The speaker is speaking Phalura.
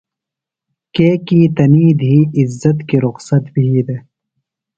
کیکیۡ تنی دِھی عزت کی رخصت بھی دےۡ۔